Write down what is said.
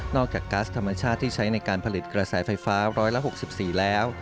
จากก๊าซธรรมชาติที่ใช้ในการผลิตกระแสไฟฟ้าร้อยละ๖๔แล้ว